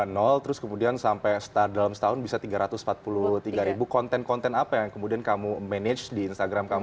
nol terus kemudian sampai dalam setahun bisa tiga ratus empat puluh tiga ribu konten konten apa yang kemudian kamu manage di instagram kamu